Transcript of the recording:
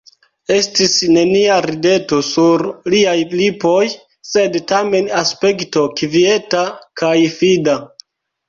Estis nenia rideto sur liaj lipoj, sed tamen aspekto kvieta kaj fida.